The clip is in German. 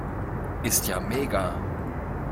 Ist ja mega!